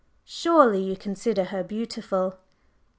Surely you consider her beautiful?"